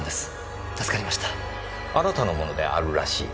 あなたのものであるらしい。